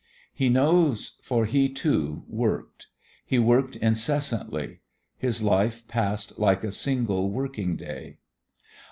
He knows, for he, too, worked; he worked incessantly; his life passed like a single working day.